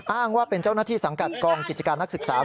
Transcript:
อ้างว่าเป็นเจ้าหน้าที่สังกัดกองกิจการนักศึกษา